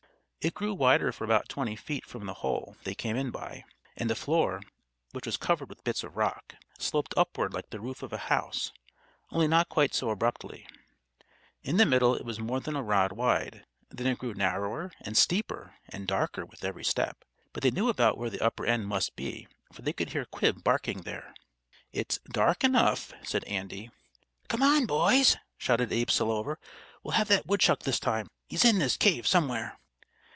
It grew wider for about twenty feet from the hole they came in by, and the floor, which was covered with bits of rock, sloped upward like the roof of a house, only not quite so abruptly. In the middle it was more than a rod wide. Then it grew narrower, and steeper, and darker with every step. But they knew about where the upper end must be, for they could hear Quib barking there. "It's dark enough," said Andy. "Come on, boys!" shouted Abe Selover. "We'll have that woodchuck this time. He's in this cave, somewhere."